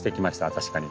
確かに。